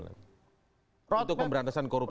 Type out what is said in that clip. itu pemberantasan korupsi